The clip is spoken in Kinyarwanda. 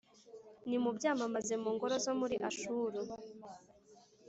Nimubyamamaze mu ngoro zo muri Ashuru,